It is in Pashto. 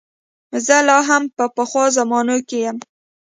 زه لا هم په پخوا زمانو کې یم.